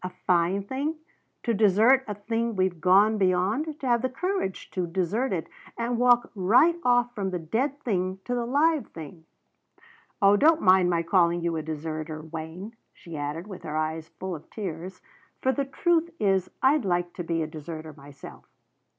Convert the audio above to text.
A fine thing? To desert a thing we've gone beyond to have the courage to desert it and walk right off from the dead thing to the live thing ? Oh, don't mind my calling you a deserter, Wayne," she added, her eyes full of tears, "for the truth is I'd like to be a deserter myself.